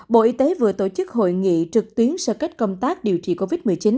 bộ y tế vừa tổ chức hội nghị trực tuyến sơ kết công tác điều trị covid một mươi chín